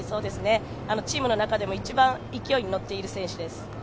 チームの中でも一番勢いが乗っている選手です。